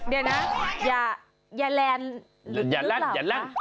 เดี๋ยวนะอย่าแรนหรือเปล่าล่ะ